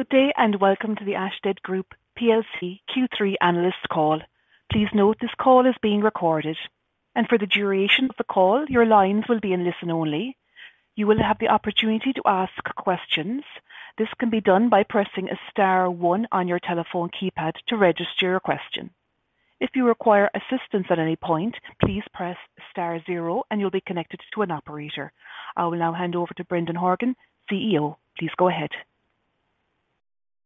Good day, and welcome to the Ashtead Group PLC Q3 analyst call. Please note this call is being recorded and for the duration of the call, your lines will be in listen only. You will have the opportunity to ask questions. This can be done by pressing star one on your telephone keypad to register your question. If you require assistance at any point, please press star zero and you'll be connected to an operator. I will now hand over to Brendan Horgan, CEO. Please go ahead.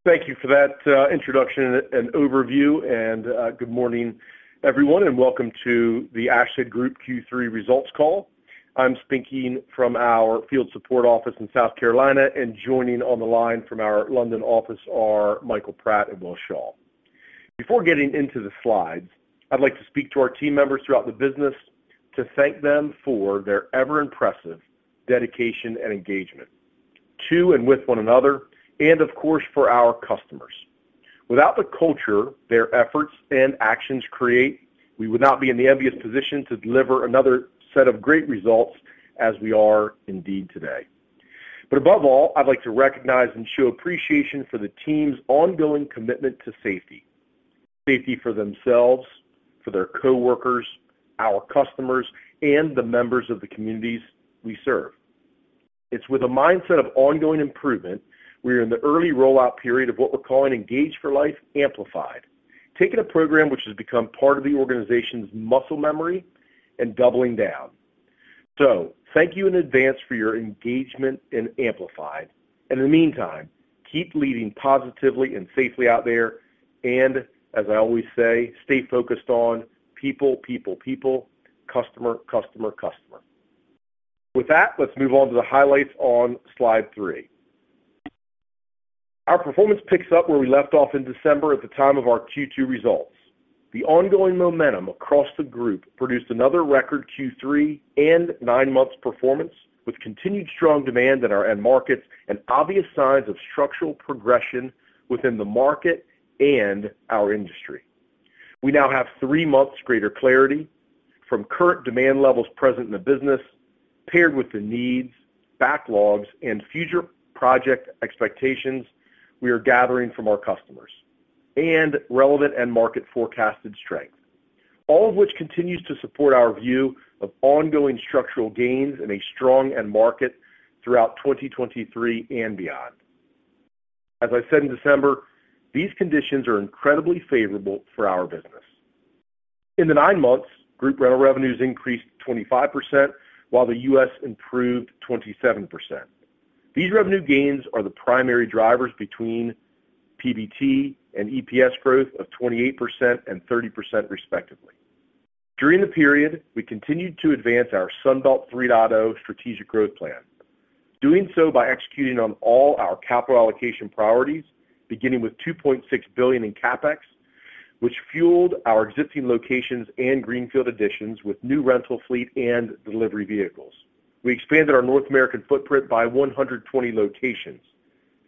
Thank you for that introduction and overview and good morning, everyone, and welcome to the Ashtead Group Q3 results call. I'm speaking from our field support office in South Carolina, and joining on the line from our London office are Michael Pratt and Will Shaw. Before getting into the slides, I'd like to speak to our team members throughout the business to thank them for their ever impressive dedication and engagement to and with one another and of course for our customers. Without the culture their efforts and actions create, we would not be in the envious position to deliver another set of great results as we are indeed today. Above all, I'd like to recognize and show appreciation for the team's ongoing commitment to safety. Safety for themselves, for their coworkers, our customers, and the members of the communities we serve. It's with a mindset of ongoing improvement, we're in the early rollout period of what we're calling Engage for Life: Amplified. Taking a program which has become part of the organization's muscle memory and doubling down. Thank you in advance for your engagement in Amplified. In the meantime, keep leading positively and safely out there and as I always say, stay focused on people, people, customer, customer. With that, let's move on to the highlights on slide three. Our performance picks up where we left off in December at the time of our Q2 results. The ongoing momentum across the group produced another record Q3 and nine months performance, with continued strong demand in our end markets and obvious signs of structural progression within the market and our industry. We now have three months greater clarity from current demand levels present in the business, paired with the needs, backlogs, and future project expectations we are gathering from our customers and relevant end market forecasted strength. All of which continues to support our view of ongoing structural gains in a strong end market throughout 2023 and beyond. As I said in December, these conditions are incredibly favorable for our business. In the nine months, group rental revenues increased 25%, while the U.S. improved 27%. These revenue gains are the primary drivers between PBT and EPS growth of 28% and 30% respectively. During the period, we continued to advance our Sunbelt 3.0 strategic growth plan. Doing so by executing on all our capital allocation priorities, beginning with $2.6 billion in CapEx, which fueled our existing locations and greenfield additions with new rental fleet and delivery vehicles. We expanded our North American footprint by 120 locations,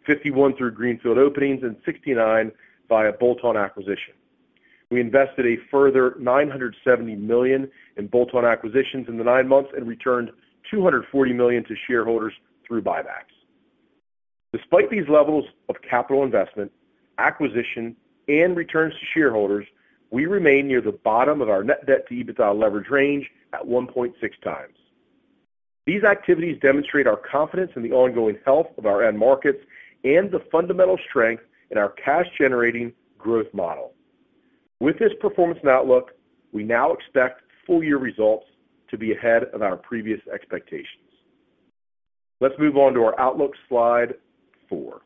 51 through greenfield openings and 69 via bolt-on acquisition. We invested a further $970 million in bolt-on acquisitions in the 9 months and returned $240 million to shareholders through buybacks. Despite these levels of capital investment, acquisition, and returns to shareholders, we remain near the bottom of our net debt-to-EBITDA leverage range at 1.6 times. These activities demonstrate our confidence in the ongoing health of our end markets and the fundamental strength in our cash-generating growth model. With this performance and outlook, we now expect full-year results to be ahead of our previous expectations. Let's move on to our outlook, slide four.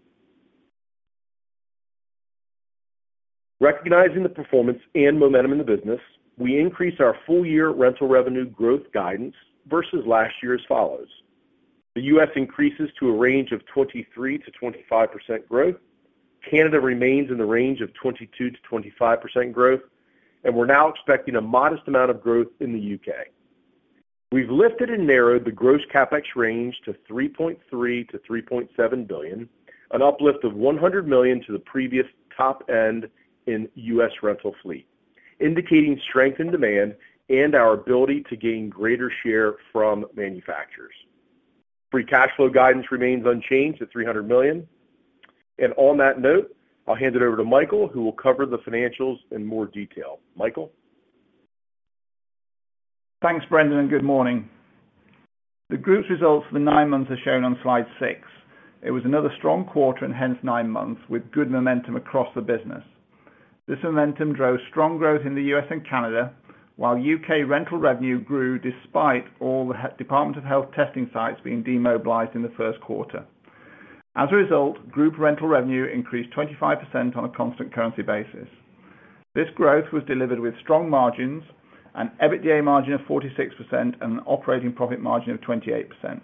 Recognizing the performance and momentum in the business, we increased our full year rental revenue growth guidance versus last year as follows: The U.S. increases to a range of 23%-25% growth. Canada remains in the range of 22%-25% growth, and we're now expecting a modest amount of growth in the U.K. We've lifted and narrowed the gross CapEx range to $3.3 billion-$3.7 billion, an uplift of $100 million to the previous top end in U.S. rental fleet, indicating strength in demand and our ability to gain greater share from manufacturers. Free cash flow guidance remains unchanged at $300 million. On that note, I'll hand it over to Michael, who will cover the financials in more detail. Michael? Thanks, Brendan, good morning. The group's results for the nine months are shown on slide nine. It was another strong quarter and hence nine months with good momentum across the business. This momentum drove strong growth in the U.S. and Canada, while U.K. rental revenue grew despite all the Department of Health testing sites being demobilized in the 1st quarter. Group rental revenue increased 25% on a constant currency basis. This growth was delivered with strong margins, an EBITDA margin of 46% and an operating profit margin of 28%.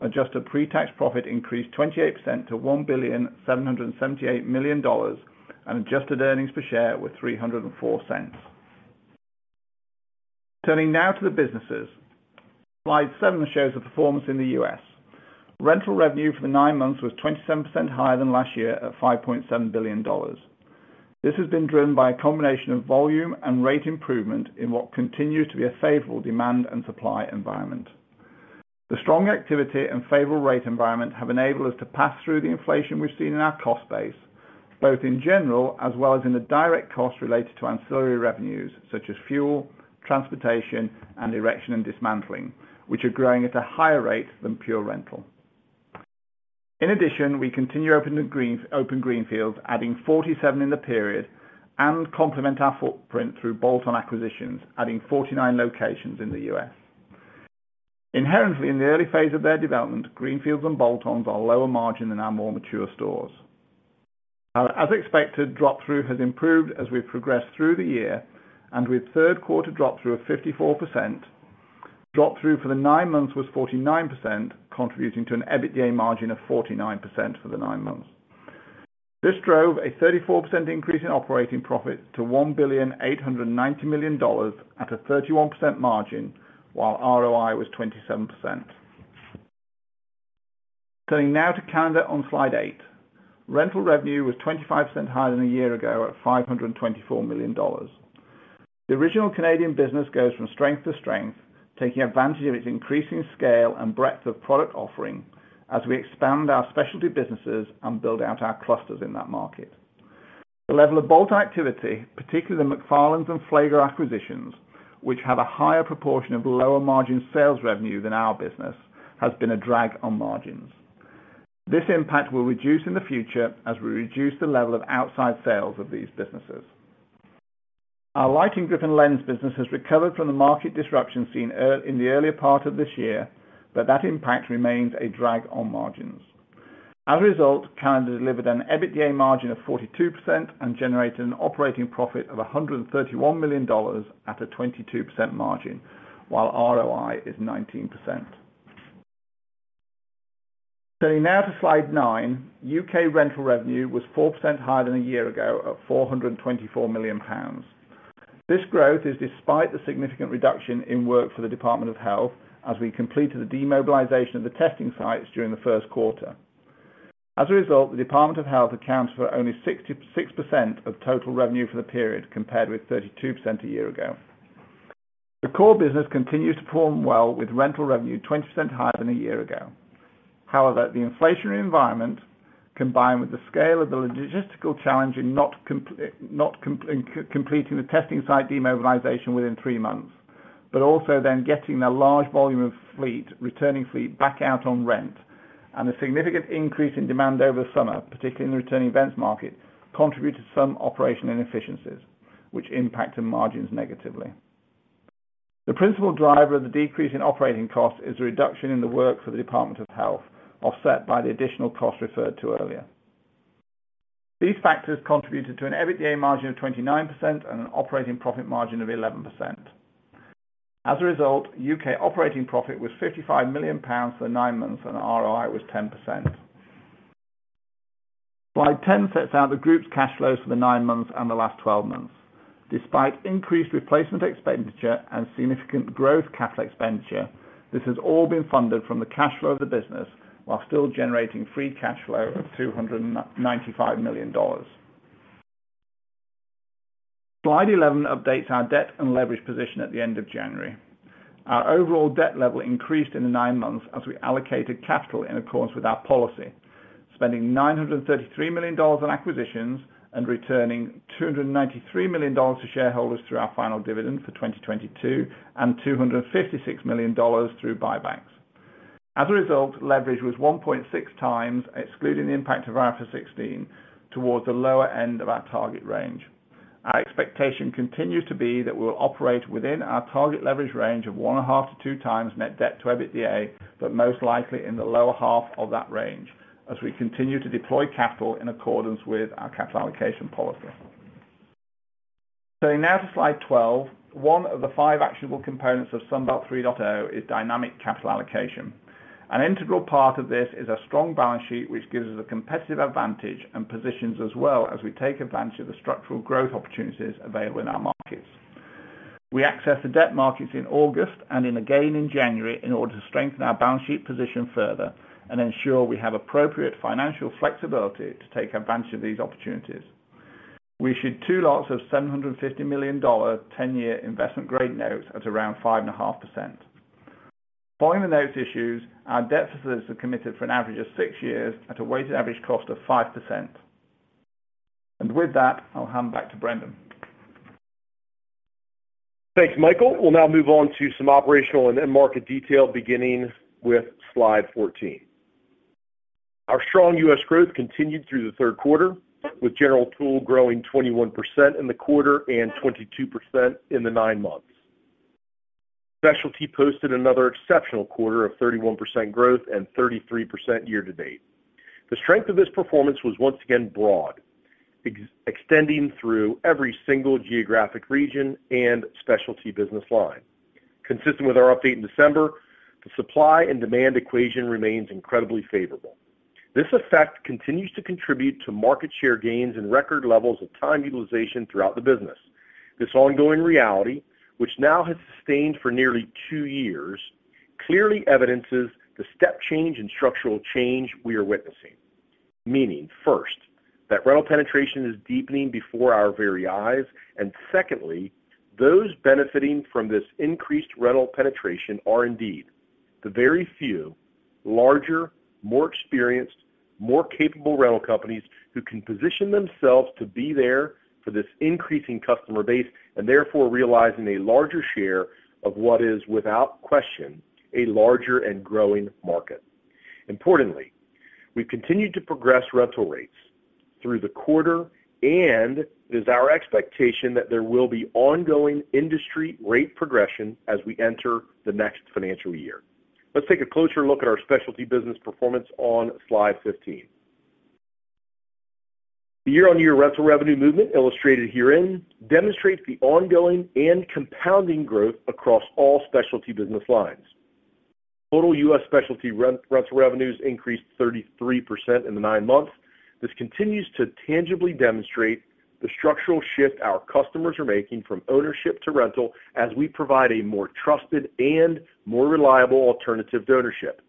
Adjusted pre-tax profit increased 28% to $1.778 billion and adjusted earnings per share were $3.04. Turning now to the businesses. Slide seven shows the performance in the U.S.. Rental revenue for the nine months was 27% higher than last year at $5.7 billion. This has been driven by a combination of volume and rate improvement in what continues to be a favorable demand and supply environment. The strong activity and favorable rate environment have enabled us to pass through the inflation we've seen in our cost base, both in general as well as in the direct cost related to ancillary revenues such as fuel, transportation, and erection and dismantling, which are growing at a higher rate than pure rental. In addition, we continue open greenfields, adding 47 in the period, and complement our footprint through bolt-on acquisitions, adding 49 locations in the U.S. Inherently, in the early phase of their development, greenfields and bolt-ons are lower margin than our more mature stores. As expected, drop-through has improved as we progress through the year. With third quarter drop-through of 54%, drop-through for the nine months was 49%, contributing to an EBITDA margin of 49% for the nine months. This drove a 34% increase in operating profits to $1,890 million at a 31% margin, while ROI was 27%. Turning now to Canada on slide 8. Rental revenue was 25% higher than a year ago at $524 million. The original Canadian business goes from strength to strength, taking advantage of its increasing scale and breadth of product offering as we expand our Specialty businesses and build out our clusters in that market. The level of bolt-on activity, particularly the MacFarlands and Flagler acquisitions, which have a higher proportion of lower margin sales revenue than our business, has been a drag on margins. This impact will reduce in the future as we reduce the level of outside sales of these businesses. Our Lighting, Grip and Lens business has recovered from the market disruption seen in the earlier part of this year, that impact remains a drag on margins. As a result, calendar delivered an EBITDA margin of 42% and generated an operating profit of $131 million at a 22% margin, while ROI is 19%. Turning now to slide nine. U.K. rental revenue was 4% higher than a year ago at 424 million pounds. This growth is despite the significant reduction in work for the Department of Health as we completed the demobilization of the testing sites during the first quarter. As a result, the Department of Health accounts for only 66% of total revenue for the period, compared with 32% a year ago. The core business continues to perform well with rental revenue 20% higher than a year ago. The inflationary environment, combined with the scale of the logistical challenge in completing the testing site demobilization within three months, but also then getting a large volume of fleet, returning fleet back out on rent and a significant increase in demand over the summer, particularly in the returning events market, contributed to some operational inefficiencies which impacted margins negatively. The principal driver of the decrease in operating costs is a reduction in the work for the Department of Health, offset by the additional costs referred to earlier. These factors contributed to an EBITDA margin of 29% and an operating profit margin of 11%. As a result, U.K.. operating profit was 55 million pounds for the nine months, and ROI was 10%. Slide 10 sets out the group's cash flows for the nine months and the last 12 months. Despite increased replacement expenditure and significant growth capital expenditure, this has all been funded from the cash flow of the business while still generating free cash flow of $295 million. Slide 11 updates our debt and leverage position at the end of January. Our overall debt level increased in the nine months as we allocated capital in accordance with our policy, spending $933 million on acquisitions and returning $293 million to shareholders through our final dividend for 2022, and $256 million through buybacks. As a result, leverage was 1.6 times, excluding the impact of IFRS 16, towards the lower end of our target range. Our expectation continues to be that we will operate within our target leverage range of 1.5-2 times net debt-to-EBITDA, but most likely in the lower half of that range, as we continue to deploy capital in accordance with our capital allocation policy. Turning now to slide 12. One of the five actionable components of Sunbelt 3.0 is dynamic capital allocation. An integral part of this is a strong balance sheet, which gives us a competitive advantage and positions us well as we take advantage of the structural growth opportunities available in our markets. We accessed the debt markets in August and then again in January in order to strengthen our balance sheet position further and ensure we have appropriate financial flexibility to take advantage of these opportunities. We issued two lots of $750 million 10-year investment grade notes at around 5.5%. Following the notes issues, our debt facilities are committed for an average of six years at a weighted average cost of 5%. With that, I'll hand back to Brendan. Thanks, Michael. We'll now move on to some operational and end market detail beginning with slide 14. Our strong U.S. growth continued through the third quarter, with general tool growing 21% in the quarter and 22% in the nine months. Specialty posted another exceptional quarter of 31% growth and 33% year to date. The strength of this performance was once again broad, extending through every single geographic region and Specialty business line. Consistent with our update in December, the supply and demand equation remains incredibly favorable. This effect continues to contribute to market share gains and record levels of time utilization throughout the business. This ongoing reality, which now has sustained for nearly two years. Clearly evidences the step change and structural change we are witnessing. Meaning, first, that rental penetration is deepening before our very eyes. Secondly, those benefiting from this increased rental penetration are indeed the very few larger, more experienced, more capable rental companies who can position themselves to be there for this increasing customer base, and therefore realizing a larger share of what is, without question, a larger and growing market. Importantly, we've continued to progress rental rates through the quarter, and it is our expectation that there will be ongoing industry rate progression as we enter the next financial year. Let's take a closer look at our Specialty business performance on Slide 15. The year-on-year rental revenue movement illustrated herein demonstrates the ongoing and compounding growth across all Specialty business lines. Total U.S. Specialty re-rental revenues increased 33% in the nine months. This continues to tangibly demonstrate the structural shift our customers are making from ownership to rental as we provide a more trusted and more reliable alternative to ownership.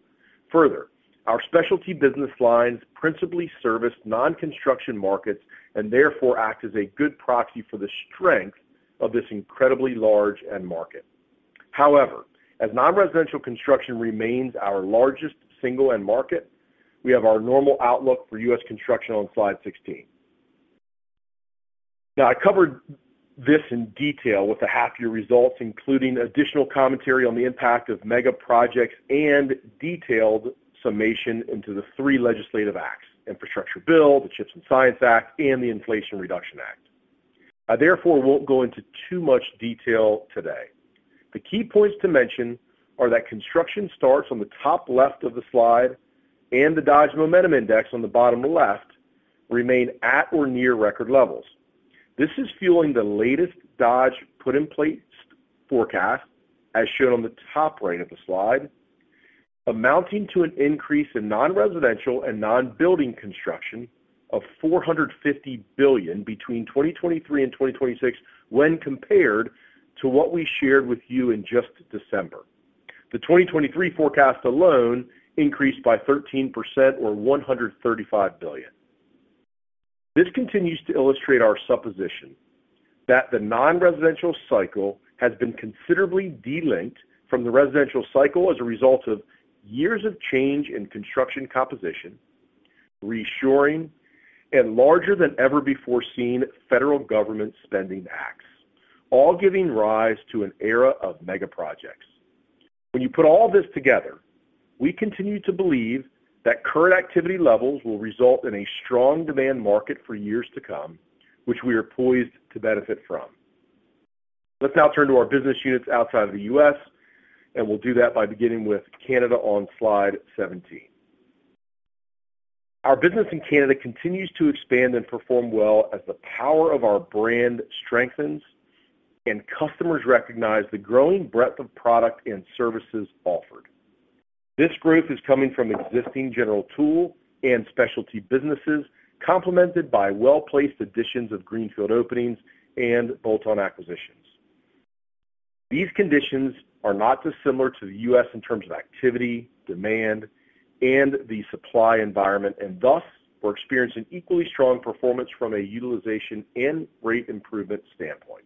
Our Specialty business lines principally service non-construction markets and therefore act as a good proxy for the strength of this incredibly large end market. As non-residential construction remains our largest single end market, we have our normal outlook for U.S. construction on Slide 16. I covered this in detail with the half year results, including additional commentary on the impact of megaprojects and detailed summation into the three legislative acts, Infrastructure Bill, the CHIPS and Science Act, and the Inflation Reduction Act. I therefore won't go into too much detail today. The key points to mention are that construction starts on the top left of the slide, and the Dodge Momentum Index on the bottom left remain at or near record levels. This is fueling the latest Dodge put-in-place forecast, as shown on the top right of the slide, amounting to an increase in non-residential and non-building construction of $450 billion between 2023 and 2026 when compared to what we shared with you in just December. The 2023 forecast alone increased by 13% or $135 billion. This continues to illustrate our supposition that the non-residential cycle has been considerably de-linked from the residential cycle as a result of years of change in construction composition, reshoring, and larger than ever before seen Federal Government spending acts, all giving rise to an era of megaprojects. You put all this together, we continue to believe that current activity levels will result in a strong demand market for years to come, which we are poised to benefit from. Let's now turn to our business units outside of the U.S., and we'll do that by beginning with Canada on slide 17. Our business in Canada continues to expand and perform well as the power of our brand strengthens and customers recognize the growing breadth of product and services offered. This growth is coming from existing general tool and Specialty businesses, complemented by well-placed additions of greenfield openings and bolt-on acquisitions. These conditions are not dissimilar to the U.S. in terms of activity, demand, and the supply environment, and thus we're experiencing equally strong performance from a utilization and rate improvement standpoint.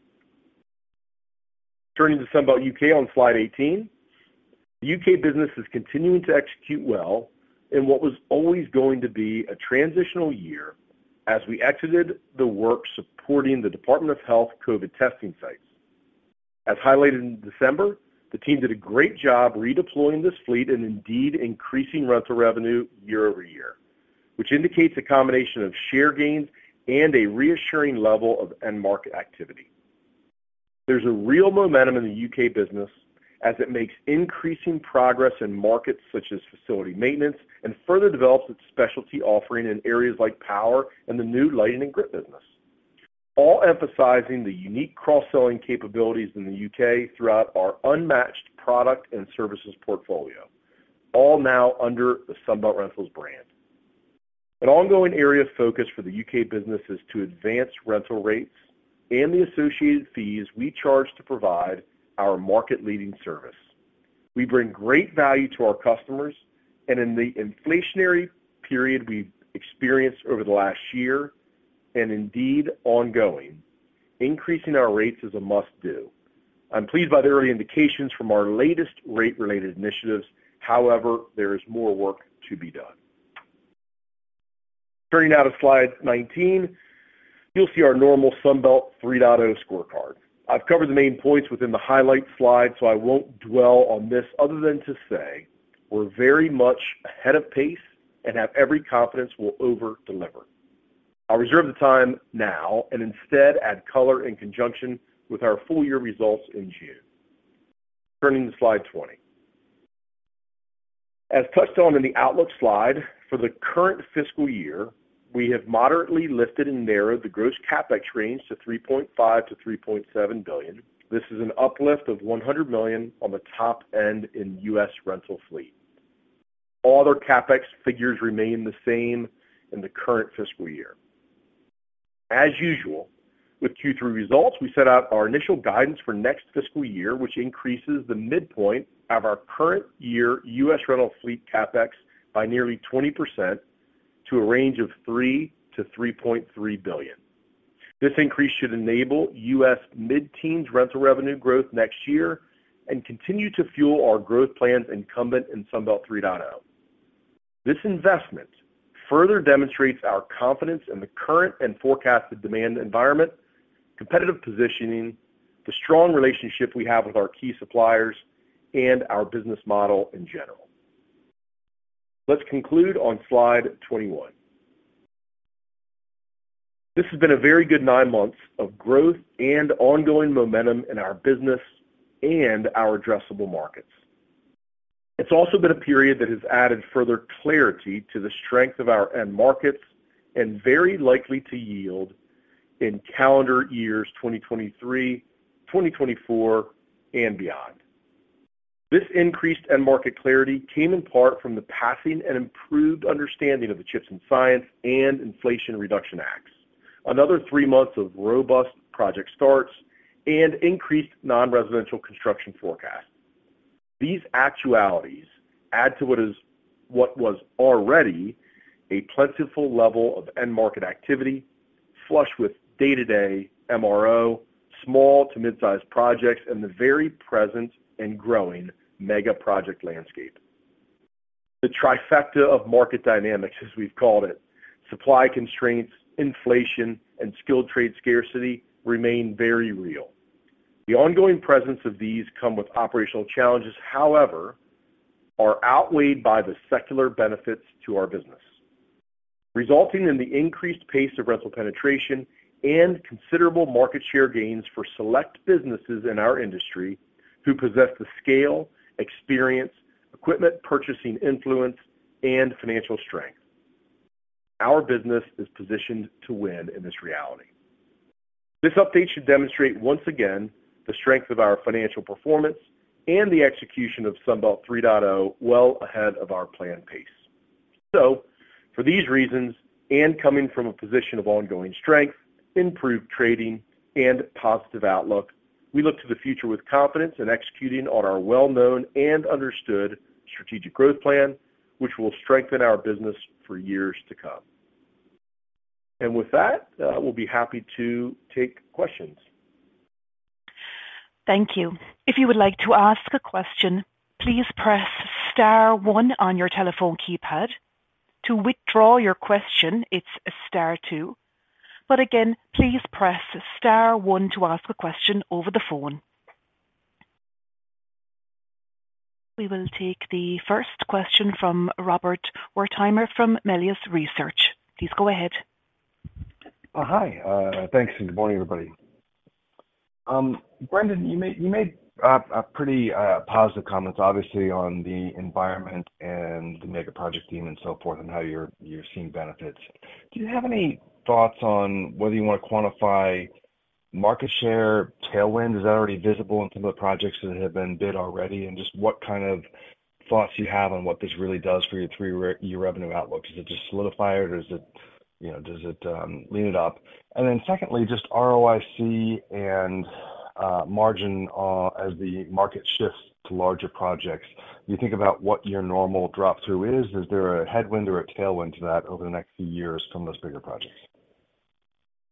Turning to Sunbelt U.K. on slide 18. The U.K. business is continuing to execute well in what was always going to be a transitional year as we exited the work supporting the Department of Health COVID testing sites. As highlighted in December, the team did a great job redeploying this fleet and indeed increasing rental revenue year-over-year, which indicates a combination of share gains and a reassuring level of end market activity. There's a real momentum in the U.K. business as it makes increasing progress in markets such as facility maintenance and further develops its Specialty offering in areas like power and the new lighting and grip business. All emphasizing the unique cross-selling capabilities in the U.K. throughout our unmatched product and services portfolio, all now under the Sunbelt Rentals brand. An ongoing area of focus for the U.K. business is to advance rental rates and the associated fees we charge to provide our market-leading service. We bring great value to our customers and in the inflationary period we've experienced over the last year, and indeed ongoing, increasing our rates is a must do. I'm pleased by the early indications from our latest rate-related initiatives. There is more work to be done. Turning now to slide 19, you'll see our normal Sunbelt 3.0 scorecard. I've covered the main points within the highlights slide, I won't dwell on this other than to say we're very much ahead of pace and have every confidence will over deliver. I'll reserve the time now and instead add color in conjunction with our full year results in June. Turning to slide 20. As touched on in the outlook slide, for the current fiscal year, we have moderately lifted and narrowed the gross CapEx range to $3.5 billion-$3.7 billion. This is an uplift of $100 million on the top end in U.S. rental fleet. All other CapEx figures remain the same in the current fiscal year. As usual, with Q3 results, we set out our initial guidance for next fiscal year, which increases the midpoint of our current year U.S. Rental fleet CapEx by nearly 20% to a range of $3 billion-$3.3 billion. This increase should enable U.S. mid-teens rental revenue growth next year and continue to fuel our growth plans incumbent in Sunbelt 3.0. This investment further demonstrates our confidence in the current and forecasted demand environment, competitive positioning, the strong relationship we have with our key suppliers, and our business model in general. Let's conclude on slide 21. This has been a very good 9 months of growth and ongoing momentum in our business and our addressable markets. It's also been a period that has added further clarity to the strength of our end markets and very likely to yield in calendar years 2023, 2024, and beyond. This increased end market clarity came in part from the passing and improved understanding of the CHIPS and Science and Inflation Reduction Acts. Another three months of robust project starts and increased non-residential construction forecast. These actualities add to what was already a plentiful level of end market activity, flush with day-to-day MRO, small to mid-sized projects, and the very present and growing megaproject landscape. The trifecta of market dynamics, as we've called it, supply constraints, inflation, and skilled trade scarcity remain very real. The ongoing presence of these come with operational challenges, however, are outweighed by the secular benefits to our business, resulting in the increased pace of rental penetration and considerable market share gains for select businesses in our industry who possess the scale, experience, equipment purchasing influence, and financial strength. Our business is positioned to win in this reality. This update should demonstrate once again the strength of our financial performance and the execution of Sunbelt 3.0 well ahead of our planned pace. For these reasons, and coming from a position of ongoing strength, improved trading, and positive outlook, we look to the future with confidence in executing on our well-known and understood strategic growth plan, which will strengthen our business for years to come. With that, we'll be happy to take questions. Thank you. If you would like to ask a question, please press star one on your telephone keypad. To withdraw your question, it's star two. Again, please press star one to ask a question over the phone. We will take the first question from Rob Wertheimer from Melius Research. Please go ahead. Hi. Thanks, and good morning, everybody. Brendan, you made pretty positive comments, obviously, on the environment and the megaproject team and so forth, and how you're seeing benefits. Do you have any thoughts on whether you wanna quantify market share tailwind? Is that already visible in some of the projects that have been bid already? Just what kind of thoughts you have on what this really does for your three-year revenue outlook. Does it just solidify it, or does it, you know, does it lean it up? Secondly, just ROIC and margin, as the market shifts to larger projects, you think about what your normal drop-through is. Is there a headwind or a tailwind to that over the next few years from those bigger projects?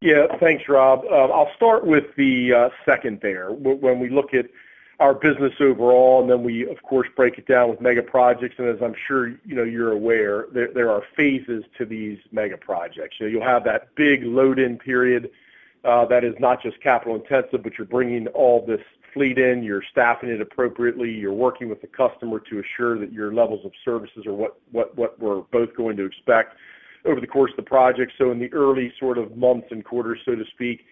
Yeah. Thanks, Rob. I'll start with the second there. When we look at our business overall, we, of course, break it down with megaprojects, as I'm sure you know, you're aware, there are phases to these megaprojects. You'll have that big load-in period that is not just capital intensive, but you're bringing all this fleet in, you're staffing it appropriately, you're working with the customer to assure that your levels of services are what we're both going to expect over the course of the project. In the early sort of months and quarters, so to speak,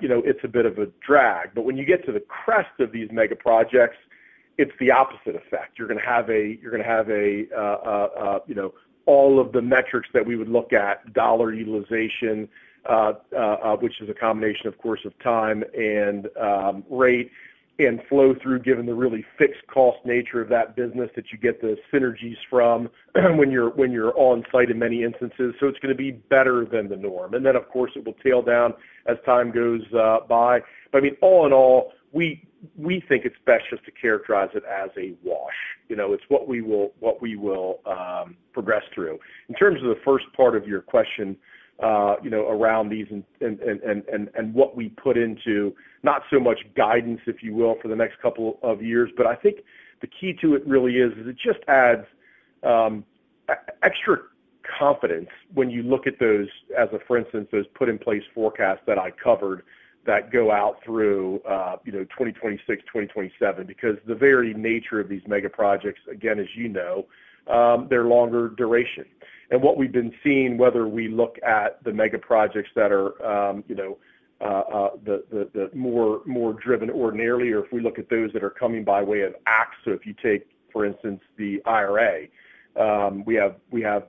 you know, it's a bit of a drag. When you get to the crest of these megaprojects, it's the opposite effect. You're gonna have a, you know, all of the metrics that we would look at, dollar utilization, which is a combination of course of time and rate and flow through, given the really fixed cost nature of that business that you get the synergies from when you're on site in many instances. It's gonna be better than the norm. Of course it will tail down as time goes by. I mean, all in all, we think it's best just to characterize it as a wash. You know, it's what we will progress through. In terms of the first part of your question, you know, around these and what we put into, not so much guidance, if you will, for the next couple of years, but I think the key to it really is it just adds extra confidence when you look at those as a, for instance, those put-in-place forecasts that I covered that go out through, you know, 2026, 2027. The very nature of these megaprojects, again, as you know, they're longer duration. What we've been seeing, whether we look at the megaprojects that are, you know, the more driven ordinarily, or if we look at those that are coming by way of AEC. If you take, for instance, the IRA, we have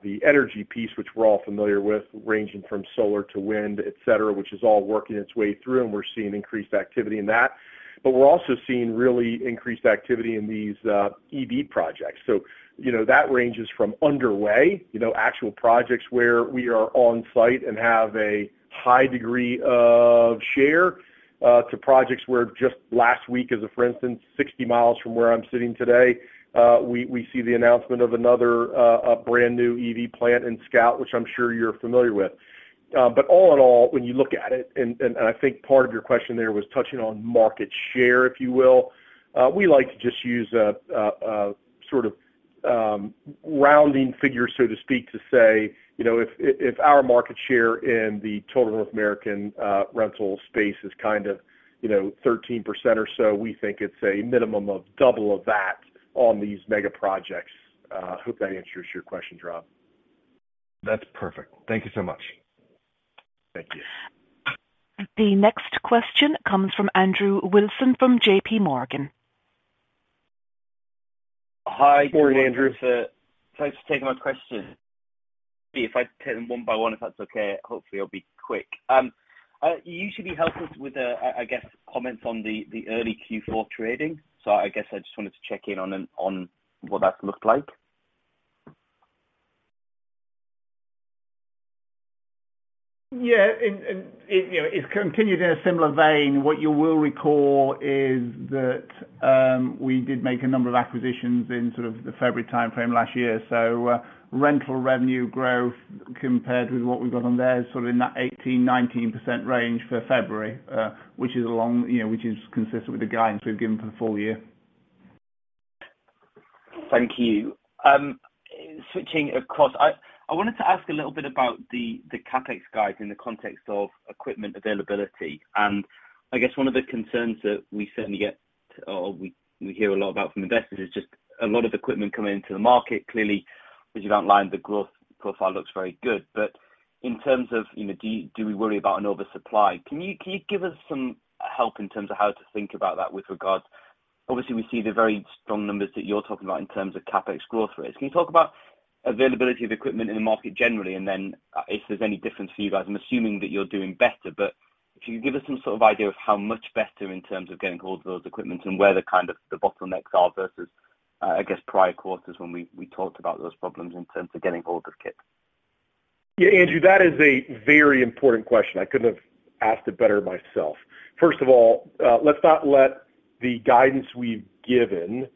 the energy piece, which we're all familiar with, ranging from solar to wind, et cetera, which is all working its way through, and we're seeing increased activity in that. We're also seeing really increased activity in these EV projects. You know, that ranges from underway, you know, actual projects where we are on site and have a high degree of share, to projects where just last week as of, for instance, 60 miles from where I'm sitting today, we see the announcement of another, a brand new EV plant in Scout, which I'm sure you're familiar with. All in all, when you look at it and I think part of your question there was touching on market share, if you will. We like to just use a sort of rounding figure, so to speak, to say, you know, if our market share in the total North American, rental space is kind of, you know, 13% or so, we think it's a minimum of double of that on these megaprojects. hope that answers your question, Rob. That's perfect. Thank you so much. Thank you. The next question comes from Andrew Wilson from JPMorgan. Hi. Morning, Andrew. Thanks for taking my question. If I take them one by one, if that's okay, hopefully it'll be quick. you usually help us with the, I guess, comments on the early Q-four trading. I guess I just wanted to check in on what that looked like. Yeah. It, you know, it's continued in a similar vein. What you will recall is that, we did make a number of acquisitions in sort of the February timeframe last year. Rental revenue growth compared with what we've got on there is sort of in that 18%-19% range for February, which is along, you know, consistent with the guidance we've given for the full year. Thank you. Switching across. I wanted to ask a little bit about the CapEx guide in the context of equipment availability. I guess one of the concerns that we certainly get or we hear a lot about from investors is just a lot of equipment coming into the market. Clearly, as you've outlined, the growth profile looks very good. In terms of, you know, do we worry about an oversupply? Can you give us some help in terms of how to think about that with regards? Obviously, we see the very strong numbers that you're talking about in terms of CapEx growth rates. Can you talk about availability of equipment in the market generally, and then if there's any difference for you guys? I'm assuming that you're doing better. If you can give us some sort of idea of how much better in terms of getting hold of those equipments and where the kind of the bottlenecks are versus, I guess, prior quarters when we talked about those problems in terms of getting hold of kit? Yeah, Andrew, that is a very important question. I couldn't have asked it better myself. First of all, let's not let the guidance we've given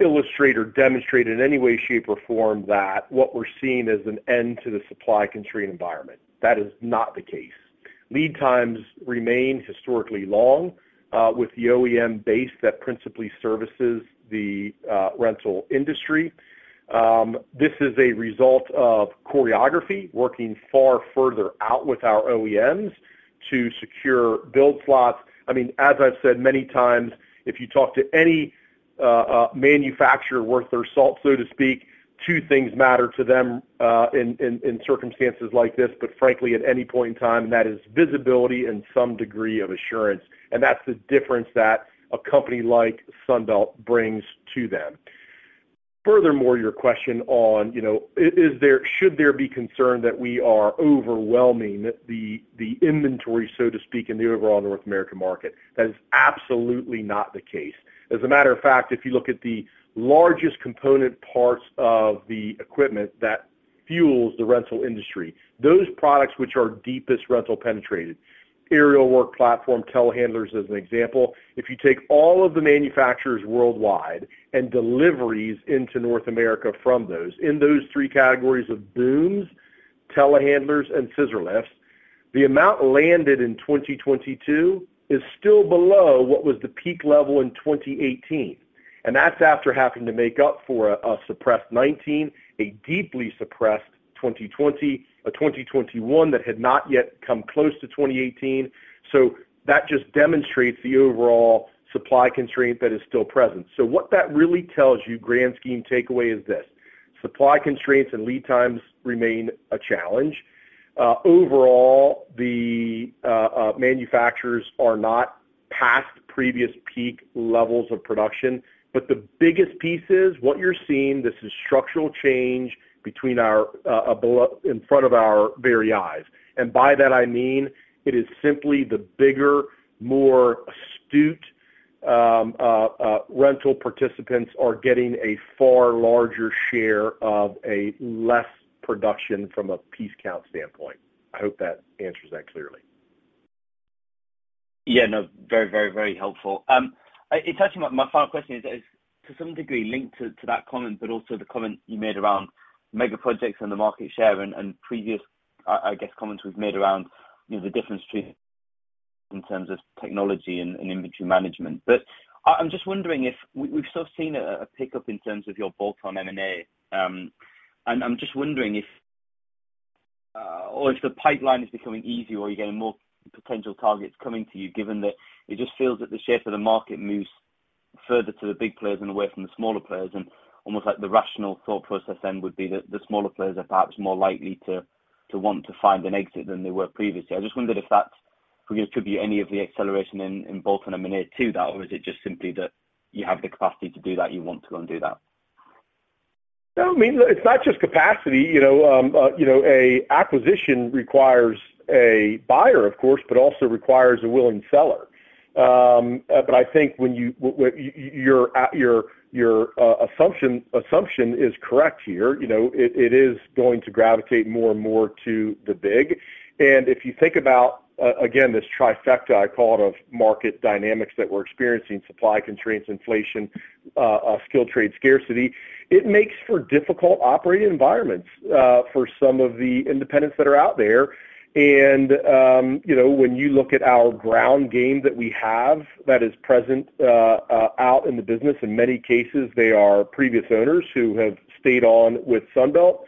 illustrate or demonstrate in any way, shape, or form that what we're seeing is an end to the supply constraint environment. That is not the case. Lead times remain historically long with the OEM base that principally services the rental industry. This is a result of choreography working far further out with our OEMs to secure build slots. I mean, as I've said many times, if you talk to any manufacturer worth their salt, so to speak, two things matter to them in circumstances like this, but frankly at any point in time, and that is visibility and some degree of assurance. That's the difference that a company like Sunbelt brings to them. Your question on, you know, should there be concern that we are overwhelming the inventory, so to speak, in the overall North American market? That is absolutely not the case. As a matter of fact, if you look at the largest component parts of the equipment that fuels the rental industry, those products which are deepest rental penetrated, Aerial Work Platform, Telehandlers, as an example. If you take all of the manufacturers worldwide and deliveries into North America from those, in those three categories of Booms, Telehandlers, and Scissor Lifts, the amount landed in 2022 is still below what was the peak level in 2018. That's after having to make up for a suppressed 2019, a deeply suppressed 2020, a 2021 that had not yet come close to 2018. That just demonstrates the overall supply constraint that is still present. What that really tells you, grand scheme takeaway, is this: supply constraints and lead times remain a challenge. Overall, the manufacturers are not past previous peak levels of production. The biggest piece is what you're seeing, this is structural change in front of our very eyes. By that I mean, it is simply the bigger, more astute rental participants are getting a far larger share of a less production from a piece count standpoint. I hope that answers that clearly. Yeah. No. Very, very, very helpful. It touches my final question is to some degree linked to that comment, but also the comment you made around megaprojects and the market share and previous, I guess, comments we've made around, you know, the difference between in terms of technology and inventory management. I'm just wondering if we've still seen a pickup in terms of your bolt-on M&A? I'm just wondering if, or if the pipeline is becoming easier or you're getting more potential targets coming to you, given that it just feels that the shape of the market moves further to the big players and away from the smaller players and almost like the rational thought process then would be that the smaller players are perhaps more likely to want to find an exit than they were previously. I just wondered if that's-We get to be any of the acceleration in both M&A to that, or is it just simply that you have the capacity to do that, you want to go and do that? I mean, it's not just capacity. You know, you know, a acquisition requires a buyer, of course, but also requires a willing seller. I think when your, assumption is correct here. You know, it is going to gravitate more and more to the big. If you think about, again, this trifecta I call it of market dynamics that we're experiencing, supply constraints, inflation, skilled trade scarcity, it makes for difficult operating environments for some of the independents that are out there. You know, when you look at our ground game that we have that is present out in the business, in many cases, they are previous owners who have stayed on with Sunbelt,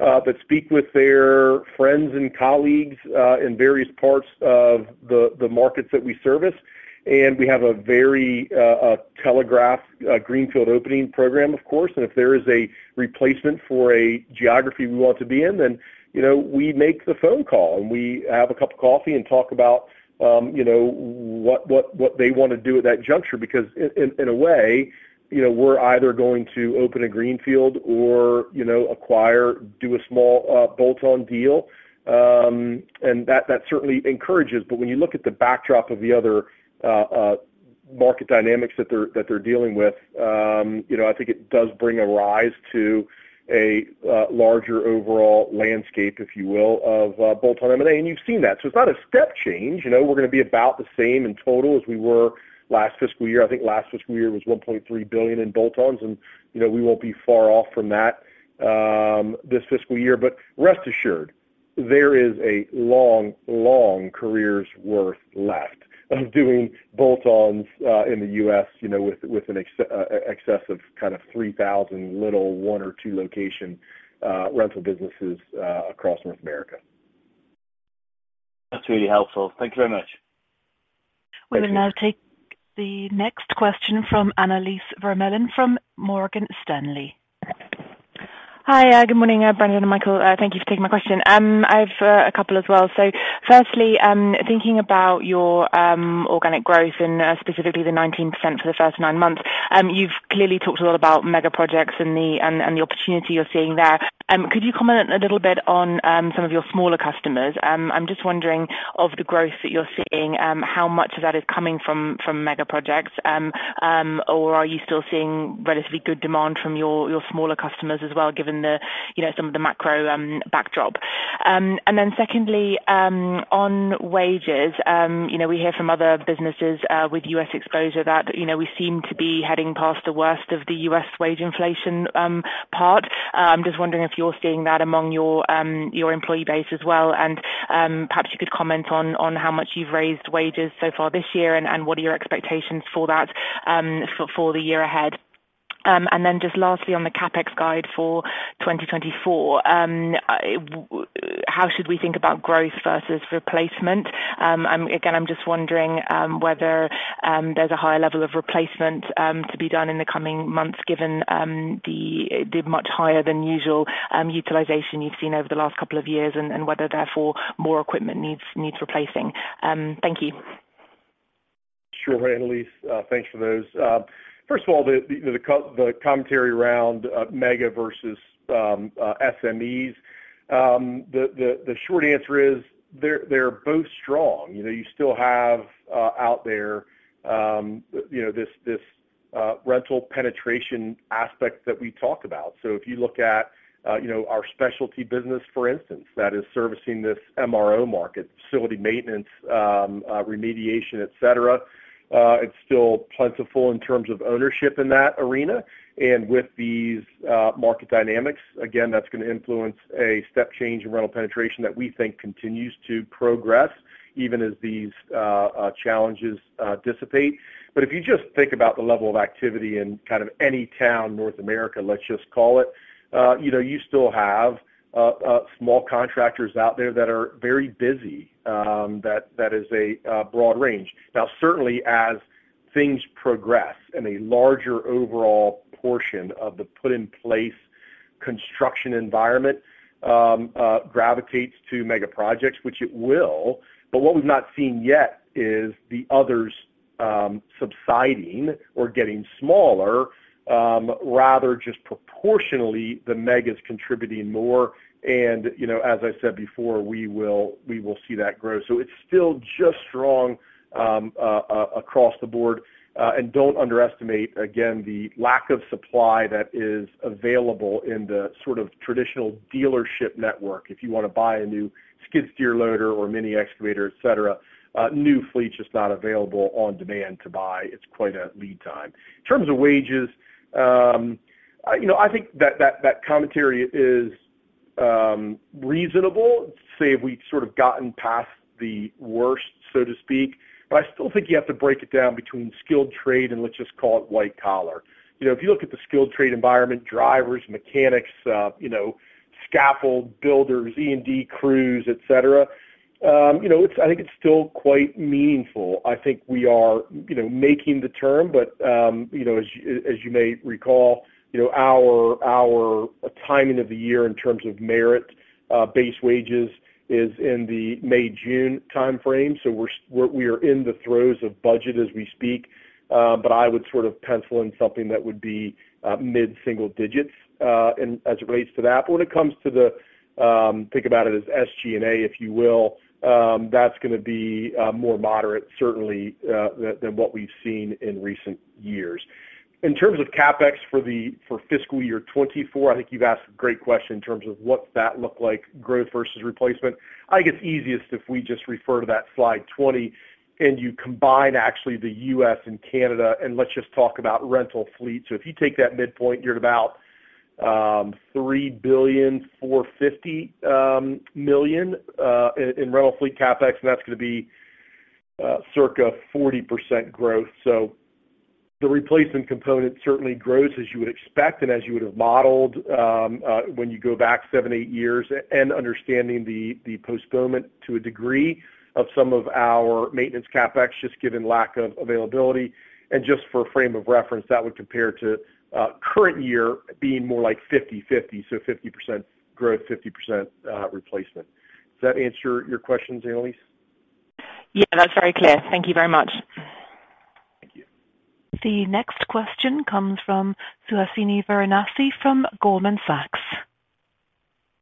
but speak with their friends and colleagues in various parts of the markets that we service. We have a very telegraphed greenfield opening program, of course. If there is a replacement for a geography we want to be in, you know, we make the phone call, and we have a cup of coffee and talk about, you know, what they wanna do at that juncture. Because in a way, you know, we're either going to open a greenfield or, you know, acquire, do a small bolt-on deal. That certainly encourages. When you look at the backdrop of the other market dynamics that they're dealing with, you know, I think it does bring a rise to a larger overall landscape, if you will, of bolt-on M&A, and you've seen that. It's not a step change. You know, we're gonna be about the same in total as we were last fiscal year. I think last fiscal year was $1.3 billion in bolt-ons, and, you know, we won't be far off from that this fiscal year. Rest assured, there is a long, long careers worth left of doing bolt-ons in the U.S., you know, with an excess of kind of 3,000 little one or two location rental businesses across North America. That's really helpful. Thank you very much. Thank you. We will now take the next question from Annelies Vermeulen from Morgan Stanley. Hi, good morning, Brendan and Michael. Thank you for taking my question. I've a couple as well. Firstly, thinking about your organic growth and specifically the 19% for the first nine months, you've clearly talked a lot about megaprojects and the opportunity you're seeing there. Could you comment a little bit on some of your smaller customers? I'm just wondering of the growth that you're seeing, how much of that is coming from megaprojects. Are you still seeing relatively good demand from your smaller customers as well, given the, you know, some of the macro backdrop? Secondly, on wages, you know, we hear from other businesses with U.S. exposure that, you know, we seem to be heading past the worst of the U.S. wage inflation part. I'm just wondering if you're seeing that among your employee base as well. Perhaps you could comment on how much you've raised wages so far this year and what are your expectations for that for the year ahead. Just lastly, on the CapEx guide for 2024, how should we think about growth versus replacement? Again, I'm just wondering whether there's a higher level of replacement to be done in the coming months, given the much higher than usual utilization you've seen over the last couple of years and whether therefore more equipment needs replacing. Thank you. Sure, Annelies. Thanks for those. First of all, the commentary around mega versus SMEs. The short answer is they're both strong. You know, you still have, out there, you know, this rental penetration aspect that we talk about. If you look at, you know, our Specialty business, for instance, that is servicing this MRO market, facility maintenance, remediation, et cetera, it's still plentiful in terms of ownership in that arena. With these market dynamics, again, that's gonna influence a step change in rental penetration that we think continues to progress even as these challenges dissipate. If you just think about the level of activity in kind of any town, North America, let's just call it, you know, you still have small contractors out there that are very busy, that is a broad range. Certainly as things progress and a larger overall portion of the construction put-in-place environment gravitates to megaprojects, which it will. What we've not seen yet is the others subsiding or getting smaller, rather just proportionally, the mega is contributing more. You know, as I said before, we will see that grow. It's still just strong across the board. Don't underestimate again the lack of supply that is available in the sort of traditional dealership network. If you wanna buy a new Skid Steer Loader or Mini Excavator, et cetera, new fleet's just not available on demand to buy. It's quite a lead time. In terms of wages, you know, I think that commentary is reasonable to say we've sort of gotten past the worst, so to speak, but I still think you have to break it down between skilled trade and let's just call it white collar. You know, if you look at the skilled trade environment, drivers, mechanics, you know, scaffold builders, E&D crews, et cetera, you know, I think it's still quite meaningful. I think we are, you know, making the term, but, you know, as you may recall, you know, our timing of the year in terms of merit base wages is in the May, June time frame. We're in the throes of budget as we speak. I would sort of pencil in something that would be mid-single digits and as it relates to that. When it comes to the, think about it as SG&A, if you will, that's gonna be more moderate certainly than what we've seen in recent years. In terms of CapEx for fiscal year 2024, I think you've asked a great question in terms of what's that look like growth versus replacement. I think it's easiest if we just refer to that slide 20 and you combine actually the U.S. and Canada, let's just talk about rental fleet. If you take that midpoint, you're at about $3 billion, 450 million in rental fleet CapEx, that's gonna be circa 40% growth. The replacement component certainly grows as you would expect and as you would have modeled, when you go back seven, eight years and understanding the postponement to a degree of some of our maintenance CapEx, just given lack of availability. Just for a frame of reference that would compare to, current year being more like 50/50, so 50% growth, 50% replacement. Does that answer your questions, Annelies? Yeah, that's very clear. Thank you very much. Thank you. The next question comes from Suhasini Varanasi from Goldman Sachs.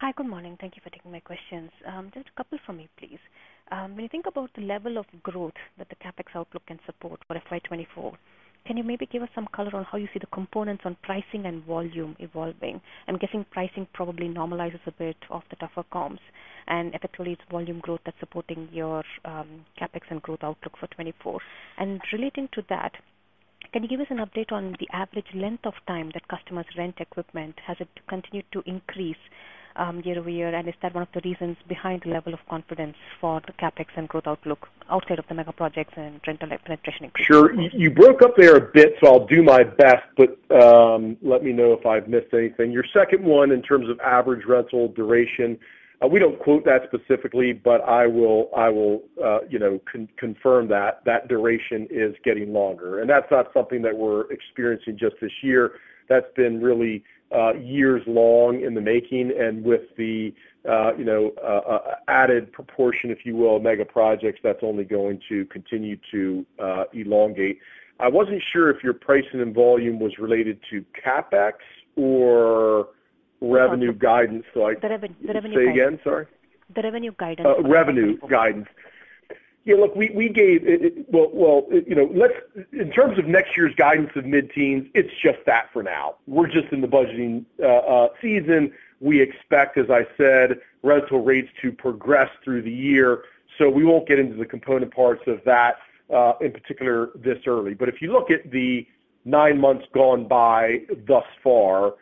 Hi. Good morning. Thank you for taking my questions. Just a couple for me, please. When you think about the level of growth that the CapEx outlook can support for FY 2024, can you maybe give us some color on how you see the components on pricing and volume evolving? I'm guessing pricing probably normalizes a bit off the tougher comps. Effectively, it's volume growth that's supporting your CapEx and growth outlook for 2024. Relating to that, can you give us an update on the average length of time that customers rent equipment? Has it continued to increase year-over-year? Is that one of the reasons behind the level of confidence for the CapEx and growth outlook outside of the megaprojects and rental penetration increase? Sure. You broke up there a bit, so I'll do my best, but let me know if I've missed anything. Your second one, in terms of average rental duration, we don't quote that specifically, but I will, you know, confirm that. That duration is getting longer, and that's not something that we're experiencing just this year. That's been really years long in the making. With the, you know, added proportion, if you will, megaprojects, that's only going to continue to elongate. I wasn't sure if your pricing and volume was related to CapEx or revenue guidance. The revenue guidance. Say again, sorry. The revenue guidance. Revenue guidance. Well, you know, in terms of next year's guidance of mid-teens%, it's just that for now. We're just in the budgeting season. We expect, as I said, rental rates to progress through the year. We won't get into the component parts of that in particular this early. If you look at the nine months gone by thus far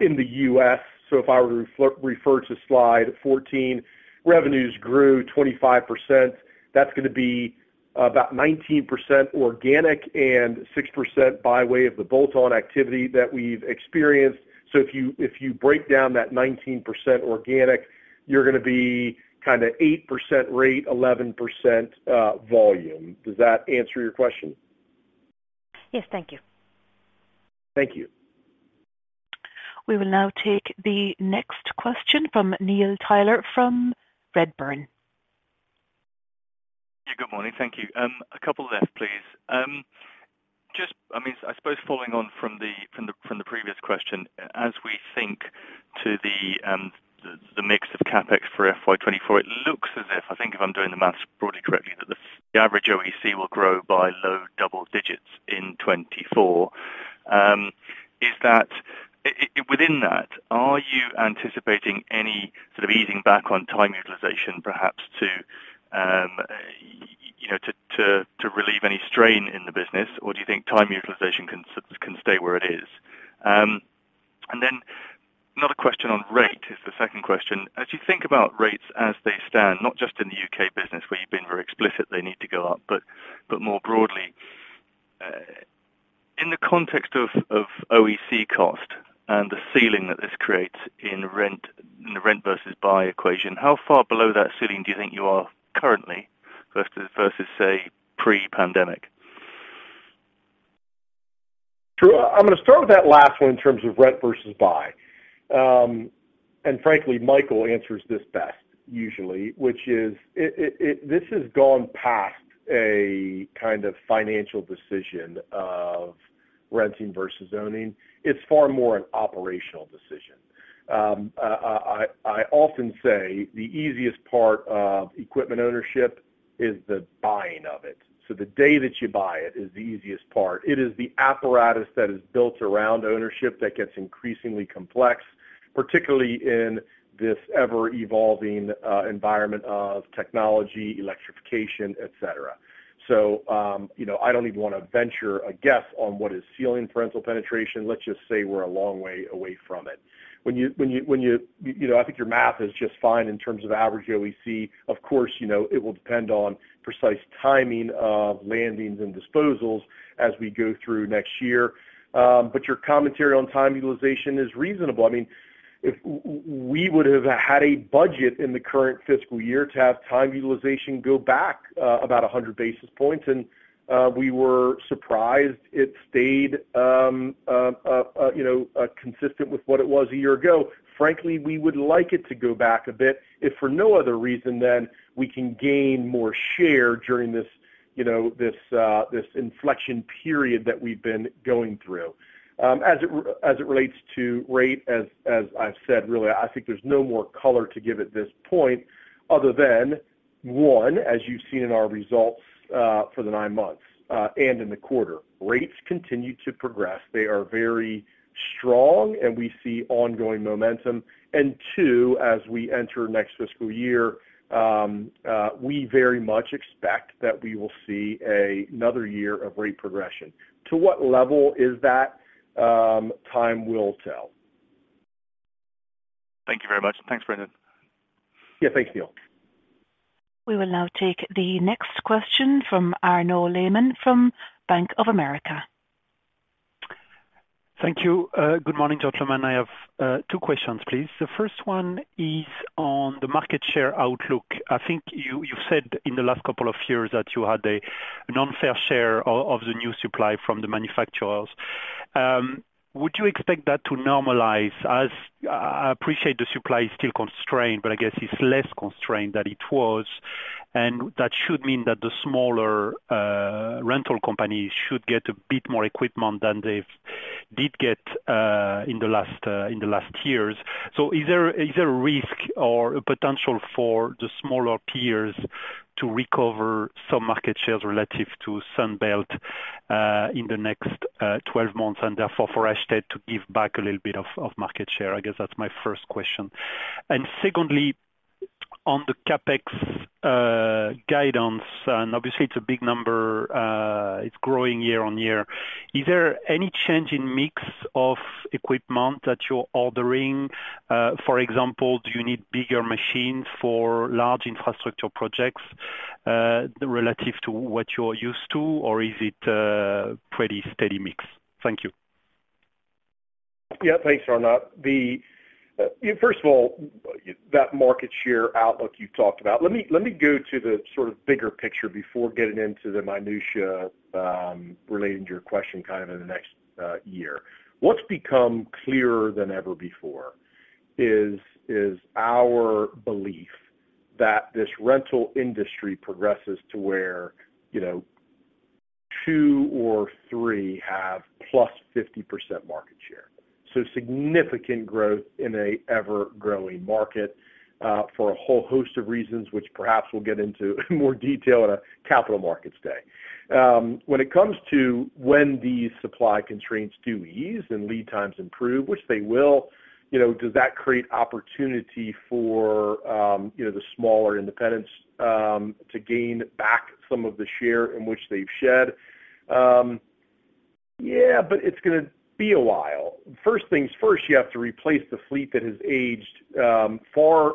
in the U.S., if I were to refer to slide 14, revenues grew 25%. That's gonna be about 19% organic and 6% by way of the bolt-on activity that we've experienced. If you break down that 19% organic, you're gonna be kinda 8% rate, 11% volume. Does that answer your question? Yes. Thank you. Thank you. We will now take the next question from Neil Tyler from Redburn. Yeah. Good morning. Thank you. A couple there, please. Just, I mean, I suppose following on from the previous question, as we think to the mix of CapEx for FY 2024, it looks as if, I think if I'm doing the maths broadly correctly, that the average OEC will grow by low double digits in 2024. Is that. Within that, are you anticipating any sort of easing back on time utilization perhaps to, you know, to relieve any strain in the business, or do you think time utilization can stay where it is? Another question on rate is the second question. As you think about rates as they stand, not just in the U.K. business where you've been very explicit they need to go up, but more broadly, in the context of OEC cost and the ceiling that this creates in the rent versus buy equation, how far below that ceiling do you think you are currently versus say pre-pandemic? Sure. I'm gonna start with that last one in terms of rent versus buy. Frankly, Michael Pratt answers this best usually, which is it this has gone past a kind of financial decision of renting versus owning. It's far more an operational decision. I often say the easiest part of equipment ownership is the buying of it. The day that you buy it is the easiest part. It is the apparatus that is built around ownership that gets increasingly complex, particularly in this ever-evolving environment of technology, electrification, et cetera. You know, I don't even wanna venture a guess on what is ceiling rental penetration. Let's just say we're a long way away from it. When you know, I think your math is just fine in terms of average OEC. Of course, you know, it will depend on precise timing of landings and disposals as we go through next year. Your commentary on time utilization is reasonable. I mean, if we would have had a budget in the current fiscal year to have time utilization go back, about 100 basis points, We were surprised it stayed, you know, consistent with what it was a year ago. Frankly, we would like it to go back a bit, if for no other reason than we can gain more share during this, you know, this inflection period that we've been going through. As it relates to rate, as I've said, really, I think there's no more color to give at this point other than, 1, as you've seen in our results, for the nine months, and in the quarter, rates continue to progress. They are very strong, and we see ongoing momentum. Two, as we enter next fiscal year, we very much expect that we will see another year of rate progression. To what level is that? Time will tell. Thank you very much. Thanks, Brendan. Yeah, thanks, Neil. We will now take the next question from Arnaud Lehmann from Bank of America. Thank you. Good morning, gentlemen. I have two questions, please. The first one is on the market share outlook. I think you said in the last couple of years that you had a non-fair share of the new supply from the manufacturers. Would you expect that to normalize as... I appreciate the supply is still constrained, but I guess it's less constrained than it was, and that should mean that the smaller rental companies should get a bit more equipment than they did get in the last years. Is there a risk or a potential for the smaller peers to recover some market shares relative to Sunbelt, in the next 12 months, and therefore for Ashtead to give back a little bit of market share? I guess that's my first question. Secondly, on the CapEx guidance, and obviously it's a big number, it's growing year-on-year. Is there any change in mix of equipment that you're ordering? For example, do you need bigger machines for large infrastructure projects relative to what you're used to? Is it pretty steady mix? Thank you. Yeah, thanks, Arnaud. The first of all, that market share outlook you talked about. Let me go to the sort of bigger picture before getting into the minutia relating to your question kind of in the next year. What's become clearer than ever before is our belief that this rental industry progresses to where, you know, two or three have +50% market share. Significant growth in a ever-growing market for a whole host of reasons, which perhaps we'll get into more detail at a capital markets day. When it comes to when these supply constraints do ease and lead times improve, which they will, you know, does that create opportunity for, you know, the smaller independents to gain back some of the share in which they've shed? Yeah, but it's gonna be a while. First things first, you have to replace the fleet that has aged far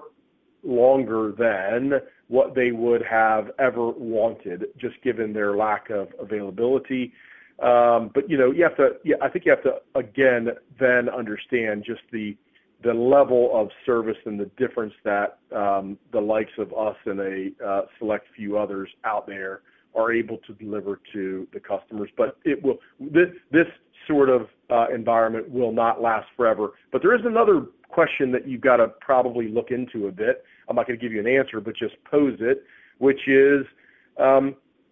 longer than what they would have ever wanted, just given their lack of availability. You know, you have to, yeah, I think you have to, again, then understand just the level of service and the difference that the likes of us and a select few others out there are able to deliver to the customers. This sort of environment will not last forever. There is another question that you've got to probably look into a bit. I'm not gonna give you an answer, but just pose it, which is,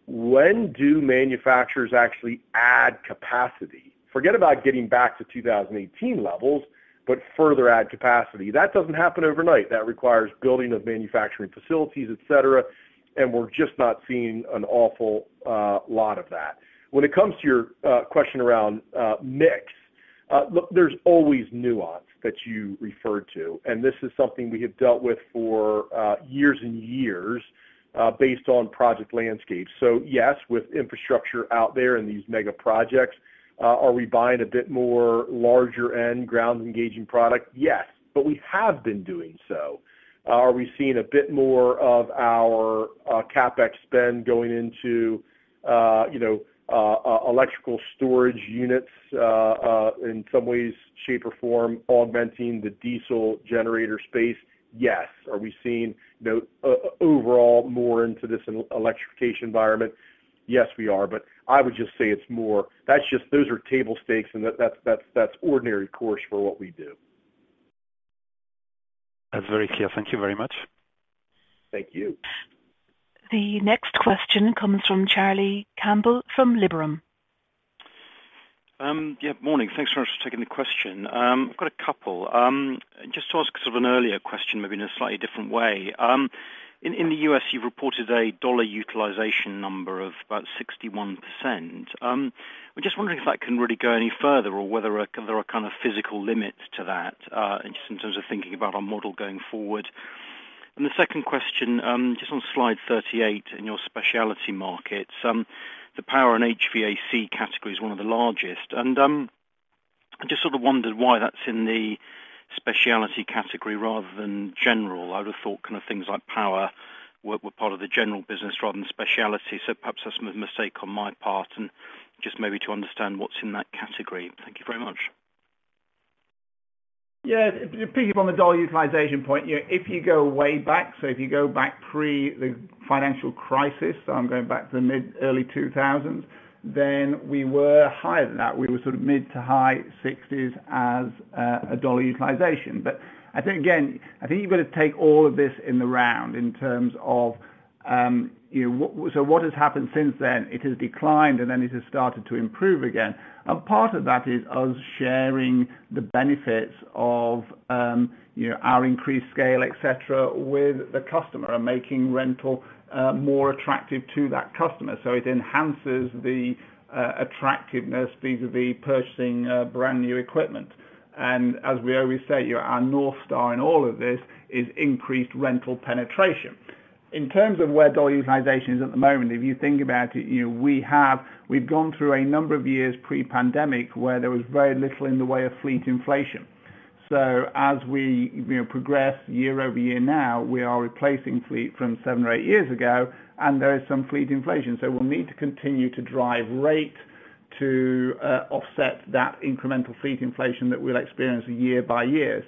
when do manufacturers actually add capacity? Forget about getting back to 2018 levels, but further add capacity. That doesn't happen overnight. That requires building of manufacturing facilities, et cetera. We're just not seeing an awful lot of that. When it comes to your question around mix, look, there's always nuance that you referred to. This is something we have dealt with for years and years based on project landscape. Yes, with infrastructure out there in these megaprojects, are we buying a bit more larger end ground engaging product? Yes, we have been doing so. Are we seeing a bit more of our CapEx spend going into, you know, electrical storage units in some ways, shape or form augmenting the Diesel Generator space? Yes. Are we seeing the overall more into this electrification environment? Yes, we are. I would just say it's more... That's just, those are table stakes, and that's ordinary course for what we do. That's very clear. Thank you very much. Thank you. The next question comes from Charlie Campbell from Liberum. Yeah, morning. Thanks very much for taking the question. I've got a couple. Just to ask sort of an earlier question, maybe in a slightly different way. In the U.S., you've reported a dollar utilization number of about 61%. We're just wondering if that can really go any further or whether there are kind of physical limits to that, just in terms of thinking about our model going forward. The second question, just on slide 38 in your Specialty markets, the Power & HVAC category is one of the largest. I just sort of wondered why that's in the Specialty category rather than general. I would have thought kind of things like power were part of the general business rather than Specialty. Perhaps that's a mistake on my part and just maybe to understand what's in that category. Thank you very much. Yeah. Picking up on the dollar utilization point, you know, if you go way back, so if you go back pre the financial crisis, so I'm going back to the mid-early 2000s, then we were higher than that. We were sort of mid-to-high 60s as a dollar utilization. I think, again, I think you've got to take all of this in the round in terms of What has happened since then? It has declined and then it has started to improve again. Part of that is us sharing the benefits of, you know, our increased scale, et cetera, with the customer and making rental more attractive to that customer. It enhances the attractiveness vis-a-vis purchasing brand new equipment. As we always say, you know, our North Star in all of this is increased rental penetration. In terms of where dollar utilization is at the moment, if you think about it, you know, we've gone through a number of years pre-pandemic, where there was very little in the way of fleet inflation. As we, you know, progress year-over-year now, we are replacing fleet from seven or eight years ago, and there is some fleet inflation. We'll need to continue to drive rate to offset that incremental fleet inflation that we'll experience year by year.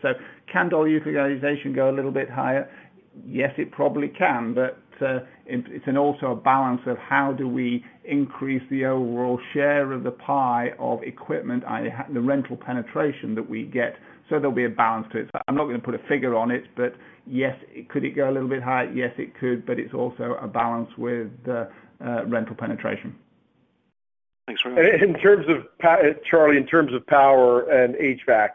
Can dollar utilization go a little bit higher? Yes, it probably can. It's also a balance of how do we increase the overall share of the pie of equipment, the rental penetration that we get. There'll be a balance to it. I'm not gonna put a figure on it, but yes, could it go a little bit higher? Yes, it could, but it's also a balance with rental penetration. Thanks very much. In terms of Charlie, in terms of Power & HVAC,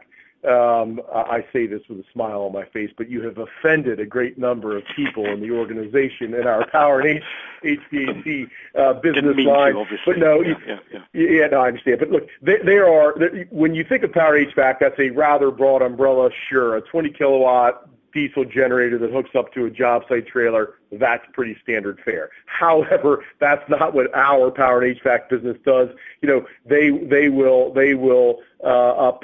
I say this with a smile on my face, but you have offended a great number of people in the organization in our Power and HVAC business line. Didn't mean to, obviously. No. Yeah, yeah. No, I understand. Look, there are. When you think of Power & HVAC, that's a rather broad umbrella, sure. A 20 KW diesel generator that hooks up to a job site trailer, that's pretty standard fare. However, that's not what our Power & HVAC business does. You know, they will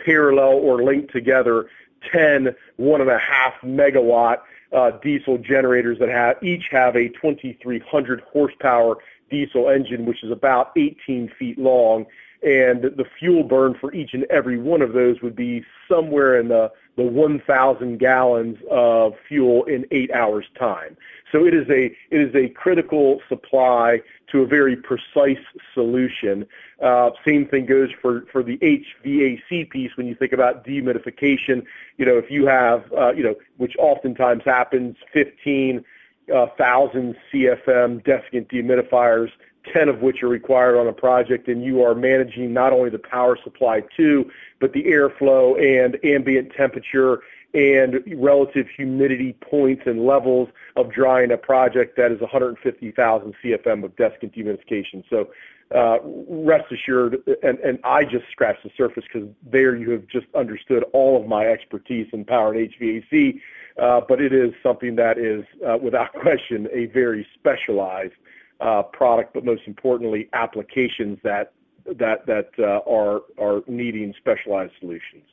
parallel or link together 10, 1.5 MW diesel generators each have a 2,300 horsepower diesel engine, which is about 18 feet long. The fuel burn for each and every one of those would be somewhere in the 1,000 gallons of fuel in eight hours' time. It is a critical supply to a very precise solution. Same thing goes for the HVAC piece when you think about dehumidification. You know, if you have, you know, which oftentimes happens, 15 thousand CFM Desiccant Dehumidifier, 10 of which are required on a project, and you are managing not only the power supply too, but the airflow and ambient temperature and relative humidity points and levels of drying a project, that is 150,000 CFM of desiccant dehumidification. Rest assured, and I just scratched the surface because there you have just understood all of my expertise in Power & HVAC. It is something that is, without question, a very specialized product. Most importantly, applications that are needing specialized solutions.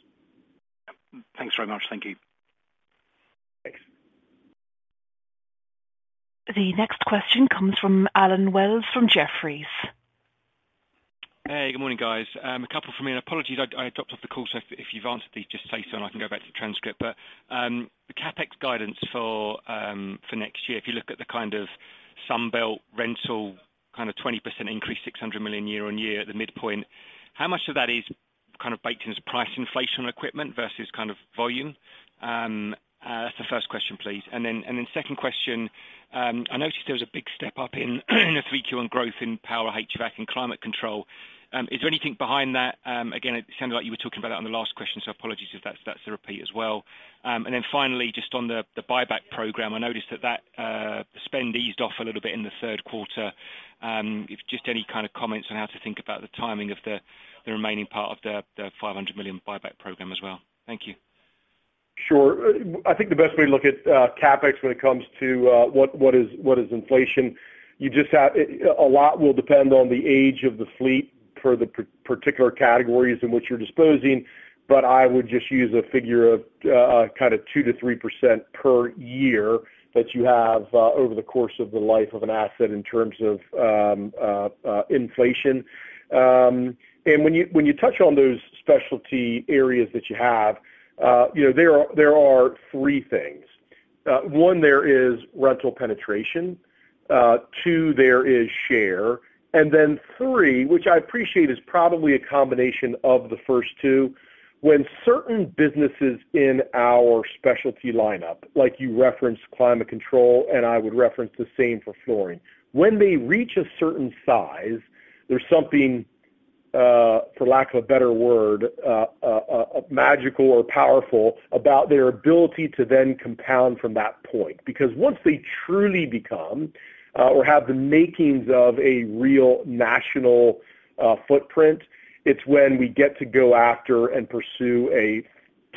Thanks very much. Thank you. Thanks. The next question comes from Allen Wells from Jefferies. Hey, good morning, guys. A couple from me, apologies I dropped off the call, so if you've answered these, just say so and I can go back to the transcript. The CapEx guidance for next year. If you look at the kind of Sunbelt Rentals, kind of 20% increase, $600 million year-over-year at the midpoint. How much of that is kind of baked into price inflation on equipment versus kind of volume? That's the first question, please. Second question, I noticed there was a big step up in the 3Q on growth in Power & HVAC and Climate Control. Is there anything behind that? Again, it sounded like you were talking about it on the last question, so apologies if that's a repeat as well. Finally, just on the buyback program. I noticed that, spend eased off a little bit in the third quarter. If just any kind of comments on how to think about the timing of the remaining part of the $500 million buyback program as well. Thank you. Sure. I think the best way to look at CapEx when it comes to what is inflation, you just have. A lot will depend on the age of the fleet for the particular categories in which you're disposing. I would just use a figure of 2%-3% per year that you have over the course of the life of an asset in terms of inflation. When you touch on those Specialty areas that you have, you know, there are three things. One, there is rental penetration. Two, there is share. Three, which I appreciate is probably a combination of the first two. When certain businesses in our Specialty lineup, like you referenced Climate Control, and I would reference the same for flooring. When they reach a certain size, there's something for lack of a better word, magical or powerful about their ability to then compound from that point. Once they truly become or have the makings of a real national footprint, it's when we get to go after and pursue a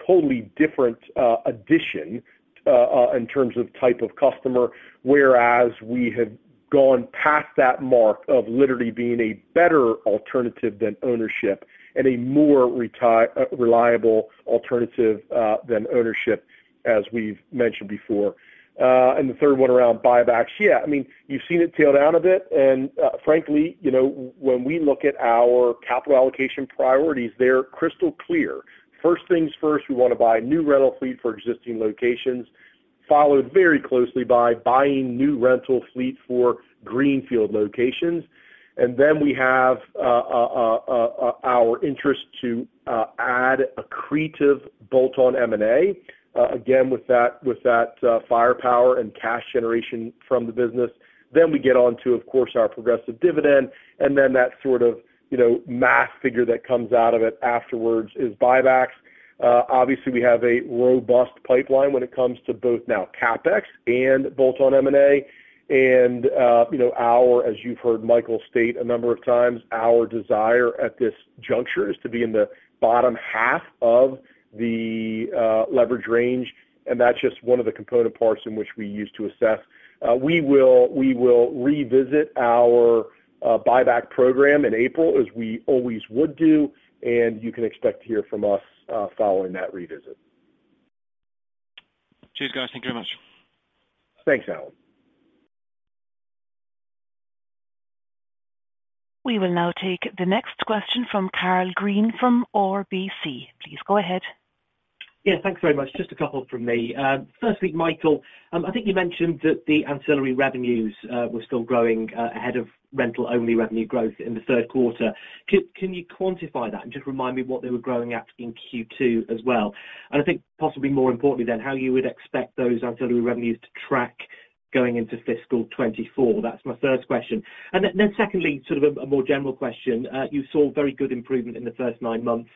totally different addition in terms of type of customer. We have gone past that mark of literally being a better alternative than ownership and a more reliable alternative than ownership, as we've mentioned before. The third one around buybacks. Yeah, I mean, you've seen it tail down a bit. Frankly, you know, when we look at our capital allocation priorities, they're crystal clear. First things first, we wanna buy new rental fleet for existing locations. Followed very closely by buying new rental fleet for greenfield locations. We have our interest to add accretive bolt-on M&A again, with that firepower and cash generation from the business. We get on to, of course, our progressive dividend and then that sort of, you know, math figure that comes out of it afterwards is buybacks. Obviously, we have a robust pipeline when it comes to both now CapEx and bolt-on M&A. You know, as you've heard Michael state a number of times, our desire at this juncture is to be in the bottom half of the leverage range, and that's just one of the component parts in which we use to assess. We will revisit our buyback program in April as we always would do, and you can expect to hear from us following that revisit. Cheers, guys. Thank you very much. Thanks, Allen. We will now take the next question from Karl Green from RBC. Please go ahead. Yeah, thanks very much. Just a couple from me. Firstly, Michael, I think you mentioned that the ancillary revenues were still growing ahead of rental-only revenue growth in the third quarter. Can you quantify that and just remind me what they were growing at in Q2 as well? I think possibly more importantly then, how you would expect those ancillary revenues to track going into fiscal 2024? That's my first question. Then secondly, sort of a more general question. You saw very good improvement in the first nine months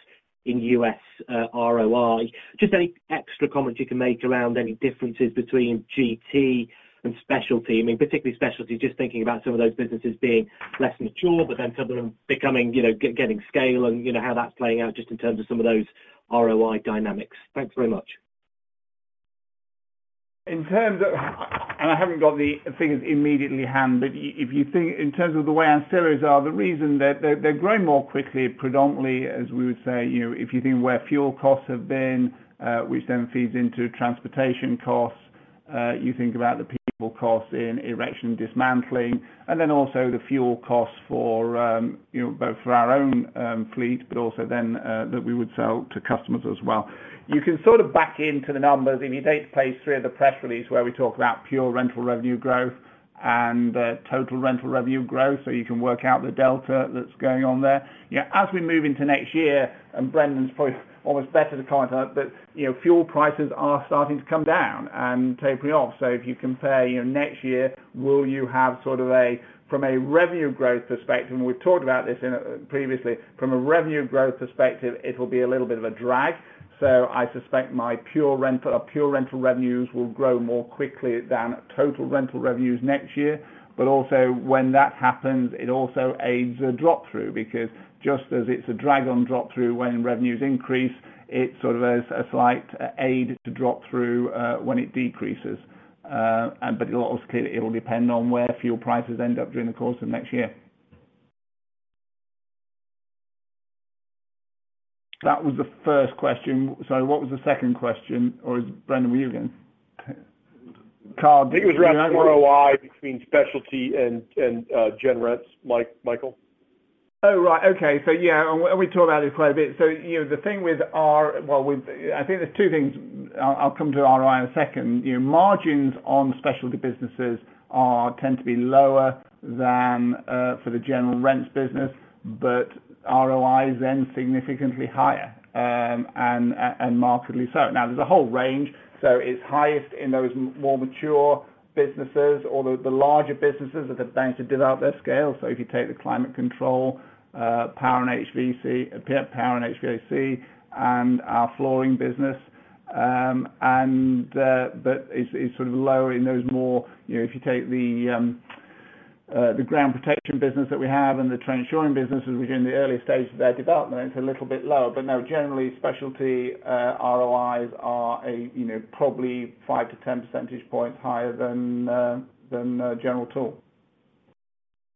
in U.S. ROI. Just any extra comments you can make around any differences between GT and Specialty? I mean, particularly Specialty, just thinking about some of those businesses being less mature, but then some of them becoming, you know, getting scale and, you know, how that's playing out just in terms of some of those ROI dynamics. Thanks very much. In terms of I haven't got the figures immediately at hand, but if you think in terms of the way ancillaries are, the reason they're growing more quickly predominantly, as we would say, you know, if you think where fuel costs have been, which then feeds into transportation costs, you think about the people costs in erection and dismantling and then also the fuel costs for, you know, both for our own fleet, but also then that we would sell to customers as well. You can sort of back into the numbers. If you go to page three of the press release where we talk about pure rental revenue growth and total rental revenue growth, you can work out the delta that's going on there. Yeah, as we move into next year, and Brendan's probably almost better to comment on it, but, you know, fuel prices are starting to come down and tapering off. If you compare, you know, next year, will you have sort of From a revenue growth perspective, and we've talked about this in previously, from a revenue growth perspective, it'll be a little bit of a drag. I suspect my pure rental pure rental revenues will grow more quickly than total rental revenues next year. Also when that happens, it also aids the drop-through because just as it's a drag on drop-through when revenues increase, it sort of is a slight aid to drop-through when it decreases. It'll obviously, it'll depend on where fuel prices end up during the course of next year. That was the first question. Sorry, what was the second question? Brendan, were you again? Karl, did you- I think it was around ROI between Specialty and gen rents, Michael. Right. Okay. Yeah, and we talked about it quite a bit. You know, I think there's two things. I'll come to ROI in a second. You know, margins on Specialty businesses tend to be lower than for the general rents business, but ROI is then significantly higher, and markedly so. There's a whole range. It's highest in those more mature businesses or the larger businesses that are going to develop their scale. If you take the Climate Control, Power & HVAC, Power & HVAC and our Flooring business, it's sort of lower in those more, you know, if you take the Ground Protection business that we have and the Trench Safety business, which are in the early stages of their development, it's a little bit lower. No, generally Specialty ROIs are, you know, probably 5-10 percentage points higher than General Tool.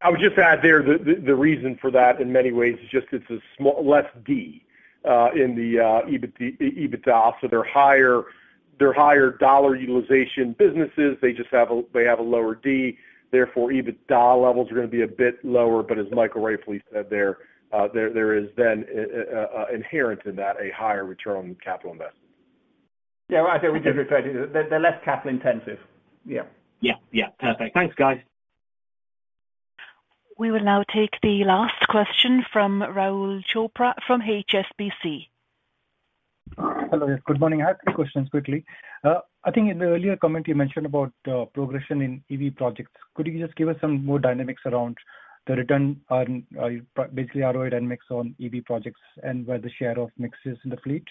I would just add there, the reason for that in many ways is just it's a small, less D in the EBIT, EBITDA, so they're higher dollar utilization businesses. They just have a, they have a lower D, therefore EBITDA levels are going to be a bit lower. As Michael rightfully said there is then inherent in that, a higher return on capital investment. Yeah, I think we just referred to it. They're less capital intensive. Yeah. Yeah. Yeah. Perfect. Thanks, guys. We will now take the last question from Rahul Chopra from HSBC. Hello, yes. Good morning. I have three questions quickly. I think in the earlier comment you mentioned about progression in EV projects. Could you just give us some more dynamics around the return on basically ROI and mix on EV projects and where the share of mix is in the fleet?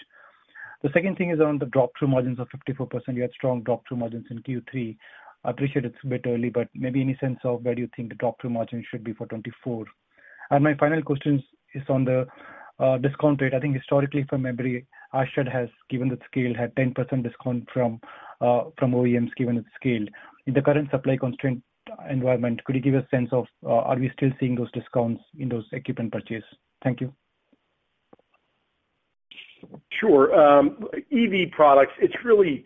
The second thing is on the drop-through margins of 54%. You had strong drop-through margins in Q3. I appreciate it's a bit early, maybe any sense of where you think the drop-through margins should be for 2024. My final question is on the discount rate. I think historically from memory, Ashtead has given its scale, had 10% discount from OEMs given its scale. In the current supply constraint environment, could you give a sense of, are we still seeing those discounts in those equipment purchase? Thank you. Sure. EV products, it's really,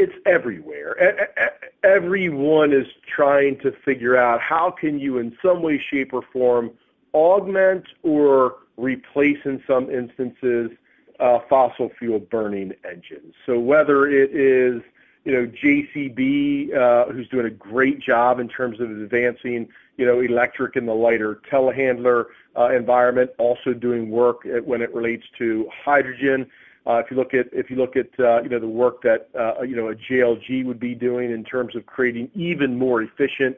it's everywhere. Everyone is trying to figure out how can you in some way, shape, or form augment or replace in some instances Fossil fuel burning engines. Whether it is, you know, JCB, who's doing a great job in terms of advancing, you know, electric in the lighter Telehandler environment, also doing work when it relates to hydrogen. If you look at, you know, the work that, you know, a JLG would be doing in terms of creating even more efficient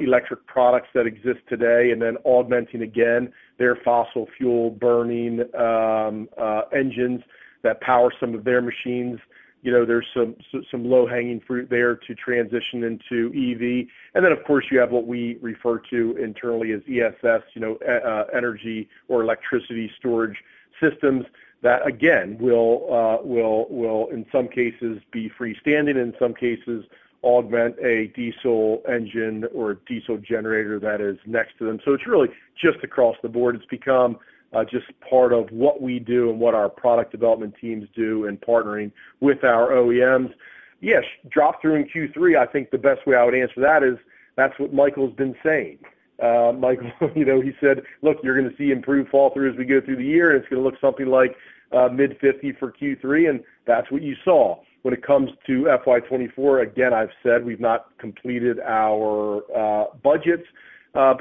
electric products that exist today and then augmenting again their fossil fuel burning engines that power some of their machines. You know, there's some low-hanging fruit there to transition into EV. Of course, you have what we refer to internally as ESS, you know, energy or electricity storage systems that again will in some cases be freestanding, in some cases augment a diesel engine or a diesel generator that is next to them. It's really just across the board. It's become just part of what we do and what our product development teams do in partnering with our OEMs. Drop-through in Q3, I think the best way I would answer that is that's what Michael Pratt's been saying. Michael Pratt, you know, he said, "Look, you're gonna see improved fall through as we go through the year, and it's gonna look something like mid-50 for Q3," and that's what you saw. When it comes to FY 2024, again, I've said we've not completed our budgets,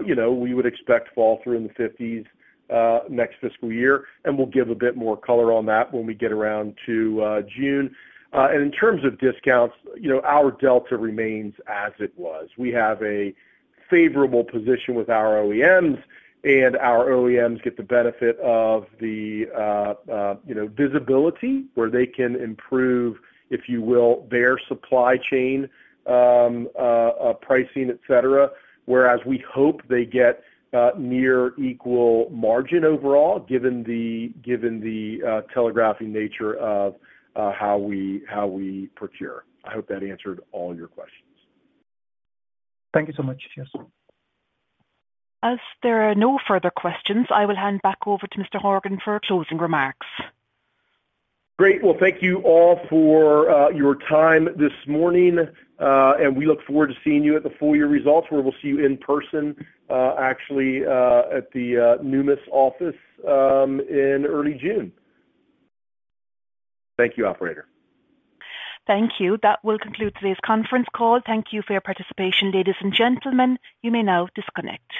you know, we would expect fall through in the 50s next fiscal year, and we'll give a bit more color on that when we get around to June. In terms of discounts, you know, our delta remains as it was. We have a favorable position with our OEMs. Our OEMs get the benefit of the, you know, visibility where they can improve, if you will, their supply chain pricing, etc. We hope they get near equal margin overall, given the, given the telegraphing nature of how we, how we procure. I hope that answered all your questions. Thank you so much. Yes. As there are no further questions, I will hand back over to Mr. Horgan for closing remarks. Great. Well, thank you all for your time this morning. We look forward to seeing you at the full year results, where we'll see you in person, actually, at the Numis office, in early June. Thank you, operator. Thank you. That will conclude today's conference call. Thank you for your participation, ladies and gentlemen. You may now disconnect.